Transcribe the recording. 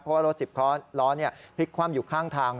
เพราะว่ารถ๑๐ล้อพลิกคว่ำอยู่ข้างทาง